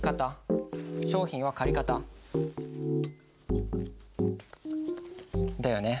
商品は借方。だよね？